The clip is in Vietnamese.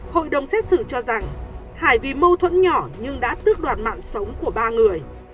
hội đồng xét xử cho rằng hải vì mâu thuẫn nhỏ nhưng đã tước đoạt mạng sống của ba người